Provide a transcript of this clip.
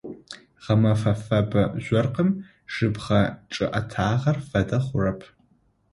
Гъэмэфэ фэбэ жъоркъым жьыбгъэ чъыӏэтагъэр фэдэ хъурэп.